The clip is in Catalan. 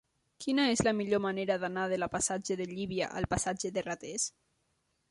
Quina és la millor manera d'anar de la passatge de Llívia al passatge de Ratés?